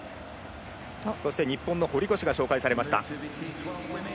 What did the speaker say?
日本の堀越が紹介されました。